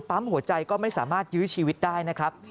ปั๊มหัวใจก็ไม่สามารถยื้อชีวิตได้นะครับ